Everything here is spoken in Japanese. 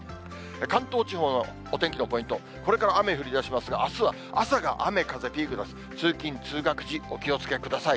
関東地方のお天気のポイント、これから雨降りだしますが、あすは朝が雨風ピークなので、通勤・通学時、お気をつけください。